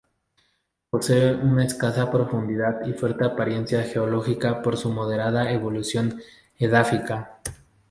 Poseen una escasa profundidad y fuerte apariencia geológica por su moderada evolución edáfica.